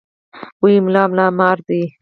وې ملا ملا مار دی.